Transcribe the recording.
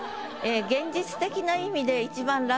現実的な意味で。